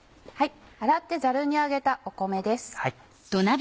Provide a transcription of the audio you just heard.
洗ってざるに上げた米です。